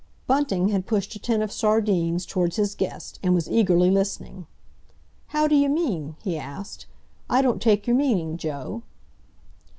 Bunting had pushed a tin of sardines towards his guest, and was eagerly listening. "How d'you mean?" he asked. "I don't take your meaning, Joe."